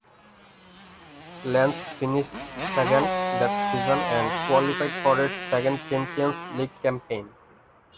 Lens finished second that season and qualified for its second Champions League campaign.